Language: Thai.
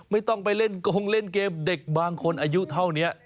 ไม่ต้องไปเล่นกงเล่นเกมเด็กบางคนอายุเท่านี้